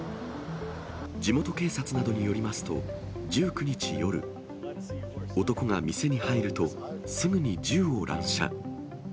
地元警察などによりますと、１９日夜、男が店に入ると、すぐに銃を乱射。